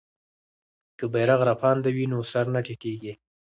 که بیرغ رپاند وي نو سر نه ټیټیږي.